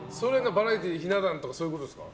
バラエティーでひな壇とかそういうことですか？